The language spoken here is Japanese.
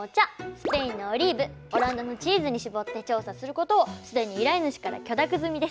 スペインのオリーブオランダのチーズに絞って調査することをすでに依頼主から許諾済みです。